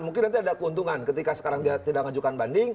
mungkin nanti ada keuntungan ketika sekarang tidak menunjukkan banding